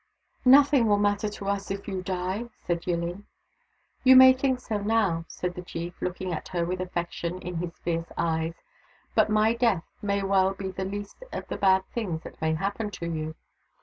" Nothing will matter to us, if you die !" said YiUin. " You may think so now," said the chief, looking at her with affection in his fierce eyes. " But my death may well be the least of the bad things that may happen to you.